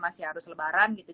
masih harus lebaran gitu